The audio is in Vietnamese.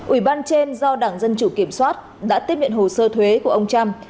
ủy ban trên do đảng dân chủ kiểm soát đã tiết miệng hồ sơ thuế của ông trump